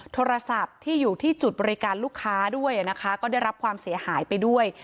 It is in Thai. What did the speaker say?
โทรศัพท์ที่อยู่ที่จุดบริการลูกค้าด้วยนะคะก็ได้รับความเสียหายไปด้วย